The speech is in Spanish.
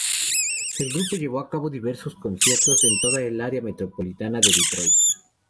El grupo llevó a cabo diversos conciertos en toda el área metropolitana de Detroit.